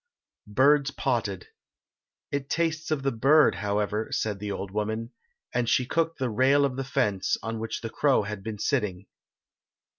BIRDS POTTED. "It tastes of the bird, however," said the old woman, "and she cooked the rail of the fence on which the crow had been sitting."